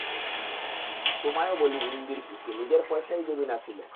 তোমায়ও বলি ইন্দির পিসি, নিজের পয়সাই যদি না ছিল।